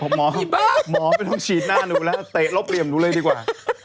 หมอไม่ต้องฉีดหน้าหนูแล้วเตะลบเหลี่ยมหนูเลยดีกว่า